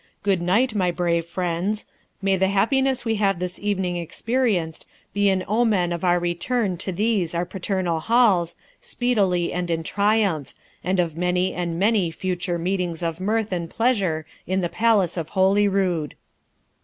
Good night, my brave friends; may the happiness we have this evening experienced be an omen of our return to these our paternal halls, speedily and in triumph, and of many and many future meetings of mirth and pleasure in the palace of Holyrood!'